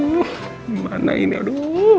gimana ini aduh